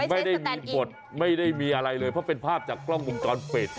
ไม่ได้มีบทไม่ได้มีอะไรเลยเพราะเป็นภาพจากกล้องวงจรปิด